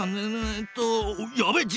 えっと